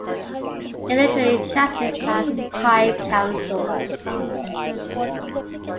It literally translates as "High Council".